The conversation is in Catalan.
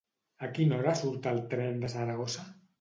A quina hora surt el tren de Saragossa?